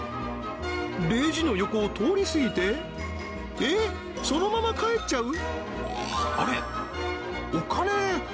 レジの横を通りすぎてえっそのまま帰っちゃう？